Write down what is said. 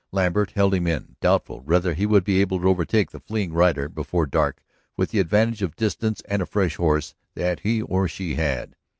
Lambert held him in, doubtful whether he would be able to overtake the fleeing rider before dark with the advantage of distance and a fresh horse that he or she had.